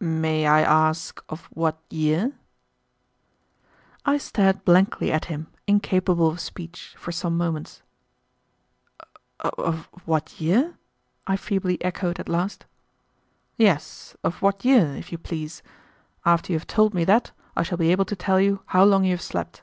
"May I ask of what year?" I stared blankly at him, incapable of speech, for some moments. "Of what year?" I feebly echoed at last. "Yes, of what year, if you please? After you have told me that I shall be able to tell you how long you have slept."